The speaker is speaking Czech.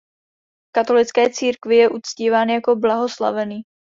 V katolické církvi je uctíván jako blahoslavený.